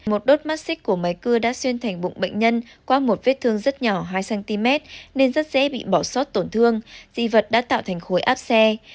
một đốt mắt xích của máy cưa đã xuyên thành bụng bệnh nhân qua một vết thương rất nhỏ hai cm nên rất dễ bị bỏ sót tổn thương di vật đã tạo thành khối áp xe